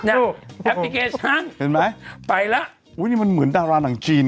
แอปพลิเคชันเห็นไหมไปแล้วอุ้ยนี่มันเหมือนดาราหนังจีน